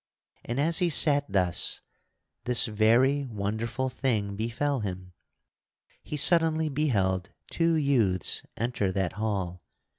And as he sat thus this very wonderful thing befell him: He suddenly beheld two youths enter that hall.